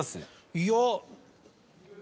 いや。